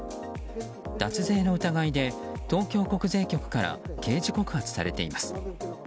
脱税の疑いで東京国税局から刑事告発されています。